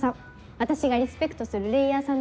私がリスペクトするレイヤーさんなんだ。